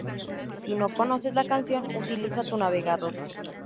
Si no conoces la canción, utiliza tu navegador.